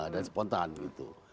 dan spontan gitu